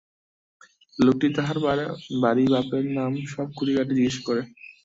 লোকটি তাহার বাড়ি, বাপের নাম সব খুঁটিনাটি জিজ্ঞাসা করে।